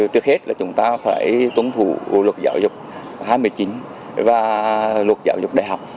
trước hết chúng ta phải tuân thủ luật giáo dục hai mươi chín và luật giáo dục đại học